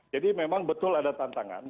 jadi memang betul ada tantangan